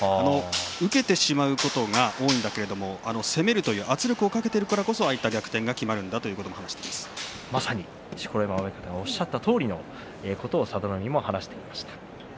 受けてしまうことが多いんだけど攻める圧力をかけているからこそああいった逆転できまるんだまさに錣山親方がおっしゃったとおりのことを佐田の海も言っていました。